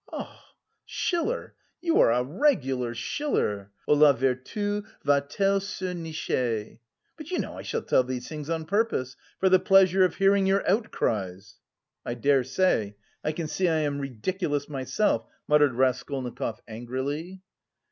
"Schiller, you are a regular Schiller! O la vertu va t elle se nicher? But you know I shall tell you these things on purpose, for the pleasure of hearing your outcries!" "I dare say. I can see I am ridiculous myself," muttered Raskolnikov angrily.